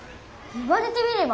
言われてみれば！